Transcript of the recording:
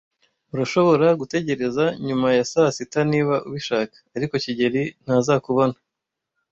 Urashobora gutegereza nyuma ya saa sita niba ubishaka, ariko kigeli ntazakubona.